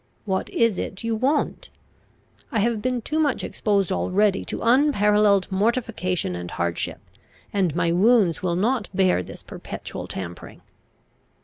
What is it you want? I have been too much exposed already to unparalleled mortification and hardship, and my wounds will not bear this perpetual tampering."